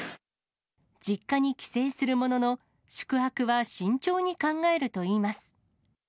実家に帰省するものの、宿泊は慎重に考えるといいます。